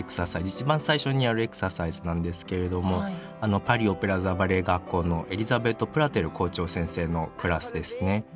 一番最初にやるエクササイズなんですけれどもパリ・オペラ座バレエ学校のエリザベット・プラテル校長先生のクラスですね。